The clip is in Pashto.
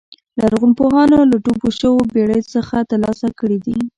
لرغونپوهانو له ډوبو شویو بېړیو څخه ترلاسه کړي دي